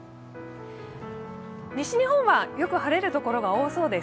西日本はよく晴れる所が多そうです。